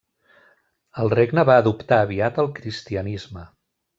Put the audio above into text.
El regne va adoptar aviat el cristianisme.